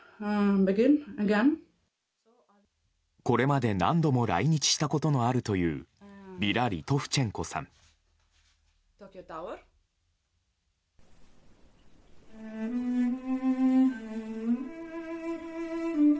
これまで何度も来日したことのあるというヴィラ・リトフチェンコさん。